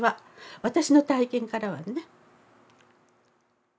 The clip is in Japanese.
私の体験からはね。